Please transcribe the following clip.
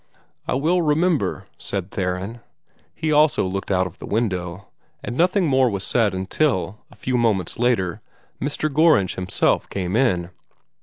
"I will remember," said Theron. He also looked out of the window; and nothing more was said until, a few moments later, Mr. Gorringe himself came in.